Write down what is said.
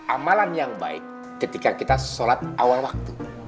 amalan yang baik ketika kita sholat awal waktu